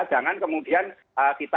jangan kemudian kita